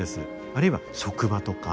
あるいは職場とか。